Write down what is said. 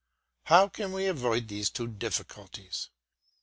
How can we avoid these two difficulties?